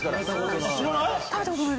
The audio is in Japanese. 知らない？